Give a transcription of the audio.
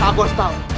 aku harus tahu